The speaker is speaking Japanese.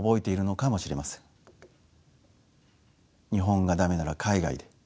「日本が駄目なら海外で」。